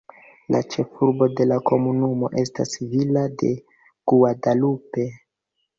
La ĉefurbo de la komunumo estas Villa de Guadalupe.